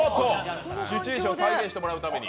シチュエーションを体験していただくために。